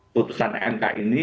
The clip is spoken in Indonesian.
putusan nk ini